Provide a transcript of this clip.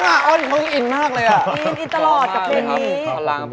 แค่ทองเป็นสินภาพ